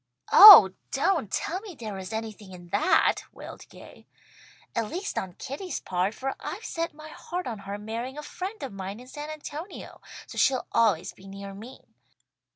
"Oh don't tell me there is anything in that," wailed Gay, "at least on Kitty's part, for I've set my heart on her marrying a friend of mine in San Antonio, so she'll always be near me.